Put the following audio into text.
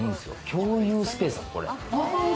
共有スペースです、これ。